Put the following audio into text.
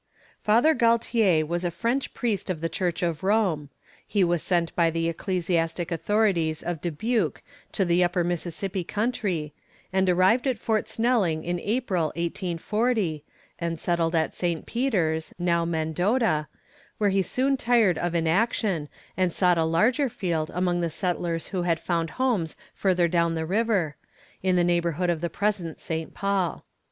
Father Galtier was a French priest of the Church of Rome. He was sent by the ecclesiastic authorities of Dubuque to the Upper Mississippi country, and arrived at Fort Snelling in April, 1840, and settled at St. Peters (now Mendota), where he soon tired of inaction, and sought a larger field among the settlers who had found homes further down the river, in the neighborhood of the present St. Paul.